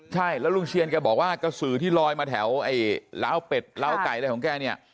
ใช่แล้วลุงเชียนแกบอกว่ากระสือที่ลอยมาแถวไอ้ล้าวเป็ดล้าวไก่อะไรของแกเนี่ย